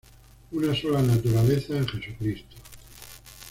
Una sola naturaleza en Jesucristo.